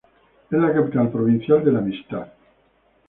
Es la capital provincial de la Amistad.